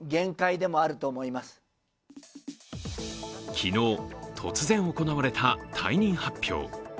昨日、突然行われた退任発表。